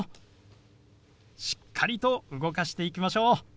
しっかりと動かしていきましょう。